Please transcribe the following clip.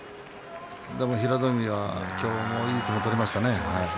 平戸海は今日もいい相撲を取りました。